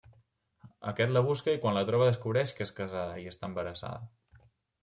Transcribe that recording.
Aquest la busca i quan la troba descobreix que és casada i està embarassada.